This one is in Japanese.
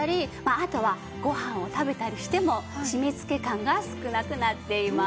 あとはご飯を食べたりしても締め付け感が少なくなっています。